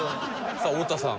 さあ太田さん。